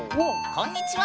こんにちは！